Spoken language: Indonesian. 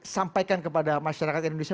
sampaikan kepada masyarakat indonesia